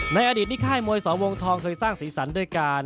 ในอดีตที่ค่ายมวยสวงทองเคยสร้างสีสันด้วยการ